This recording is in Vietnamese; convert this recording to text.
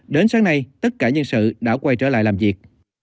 đến sáng nay tất cả nhân sự đã quay trở lại làm việc